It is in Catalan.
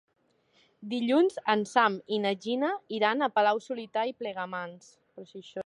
Dilluns en Sam i na Gina iran a Palau-solità i Plegamans.